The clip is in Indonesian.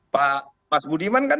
pak budiman kan